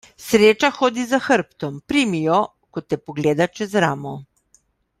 Sreča hodi za hrbtom; primi jo, ko te pogleda čez ramo.